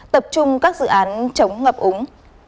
tập trung các dự án chống ngập úng